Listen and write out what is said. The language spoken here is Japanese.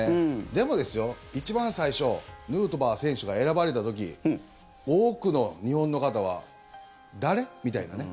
でもですよ、一番最初ヌートバー選手が選ばれた時多くの日本の方は誰？みたいなね